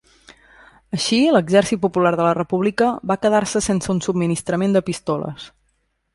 Així, l'Exèrcit Popular de la República va quedar-se sense un subministrament de pistoles.